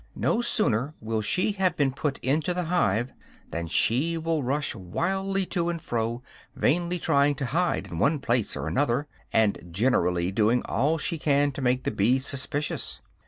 No sooner will she have been put into the hive than she will rush wildly to and fro, vainly trying to hide in one place or another, and generally doing all she can to make the bees suspicious.